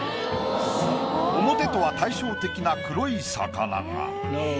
表とは対照的な黒い魚が。